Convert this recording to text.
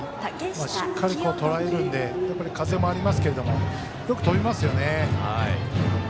しっかり、とらえるので風もありますけれどもよく飛びますよね。